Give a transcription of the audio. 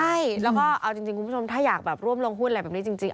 ใช่แล้วก็เอาจริงคุณผู้ชมถ้าอยากแบบร่วมลงหุ้นอะไรแบบนี้จริง